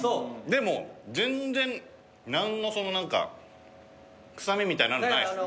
でも全然何もその何か臭みみたいなのないです。